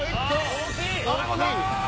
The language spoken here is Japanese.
大きい！